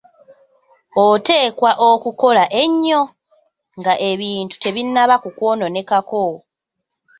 Oteekwa okukola ennyo nga ebintu tebinnaba kukwonoonekako.